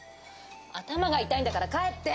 頭が痛いんだから帰って。